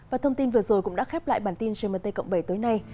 và thông tin vừa rồi cũng đã khép lại bản tin gmt cộng bảy tối nay